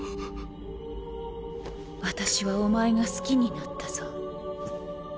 私はお前が好きになったぞ